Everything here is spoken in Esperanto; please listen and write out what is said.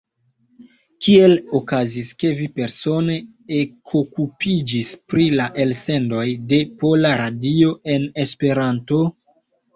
Kiel okazis ke vi persone ekokupiĝis pri la elsendoj de Pola Radio en Esperanto?